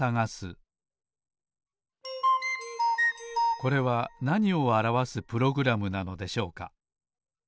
これはなにをあらわすプログラムなのでしょうか？